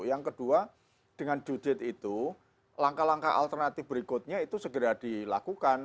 yang kedua dengan due date itu langkah langkah alternatif berikutnya itu segera dilakukan